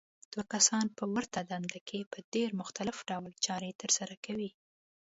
دوه کسان په ورته دنده کې په ډېر مختلف ډول چارې ترسره کوي.